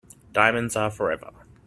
Diamonds are forever.